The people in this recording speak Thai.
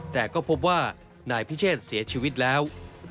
แต่ก็พบว่านายพิเชษเสียชีวิตแล้ว